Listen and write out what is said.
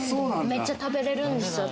めっちゃ食べれるんですよ